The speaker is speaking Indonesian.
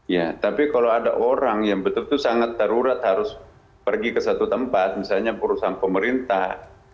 ya tapi kalau ada orang yang betul betul sangat darurat harus pergi ke satu tempat misalnya perusahaan pemerintah